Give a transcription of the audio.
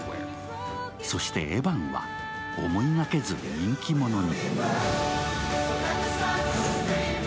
そして、エヴァンは思いがけず人気者に。